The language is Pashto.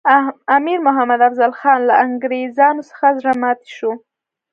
امیر محمد افضل خان له انګریزانو څخه زړه ماتي شو.